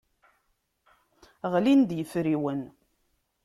Ɣlin-d yefriwen.